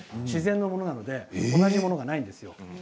自然のものなので同じものがないんですよ。